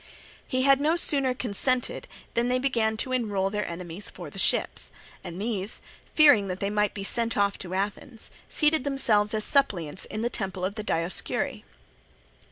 He had no sooner consented, than they began to enroll their enemies for the ships; and these, fearing that they might be sent off to Athens, seated themselves as suppliants in the temple of the Dioscuri.